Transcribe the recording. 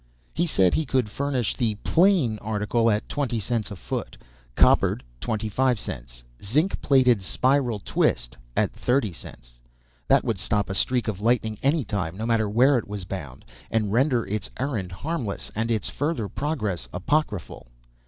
He said he could furnish the "plain" article at 20 cents a foot; "coppered," 25 cents; "zinc plated spiral twist," at 30 cents, that would stop a streak of lightning any time, no matter where it was bound, and "render its errand harmless and its further progress apocryphal."